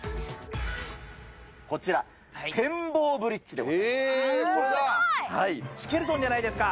こちら、展望ブリッジでございまええっ、これだ？スケルトンじゃないですか。